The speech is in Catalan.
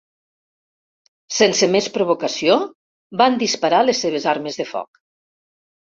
Sense més provocació, van disparar les seves armes de foc.